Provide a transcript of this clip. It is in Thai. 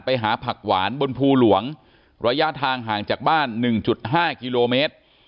ไปหาผักหวานบนภูหลวงระยะทางห่างจากบ้าน๑๕กิโลเมตร